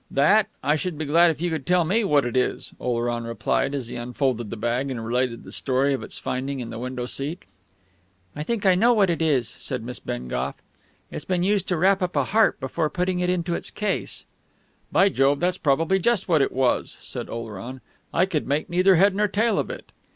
"That? I should be glad if you could tell me what it is," Oleron replied as he unfolded the bag and related the story of its finding in the window seat. "I think I know what it is," said Miss Bengough. "It's been used to wrap up a harp before putting it into its case." "By Jove, that's probably just what it was," said Oleron. "I could make neither head nor tail of it...."